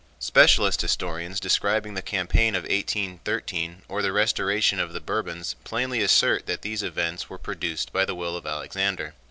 Specialist historians describing the campaign of 1813 or the restoration of the Bourbons plainly assert that these events were produced by the will of Alexander.